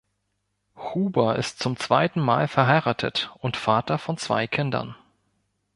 Huber ist zum zweiten Mal verheiratet und Vater von zwei Kindern.